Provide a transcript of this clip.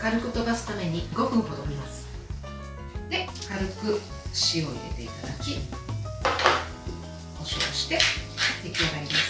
軽く塩を入れていただきこしょうをして出来上がりです。